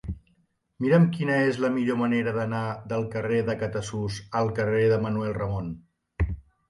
Mira'm quina és la millor manera d'anar del carrer de Catasús al carrer de Manuel Ramon.